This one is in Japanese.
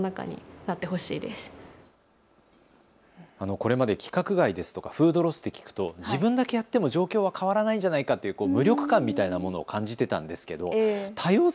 これまで規格外ですとかフードロスって聞くと自分だけやっても状況は変わらないじゃないかという無力感を感じていたんですけど多様性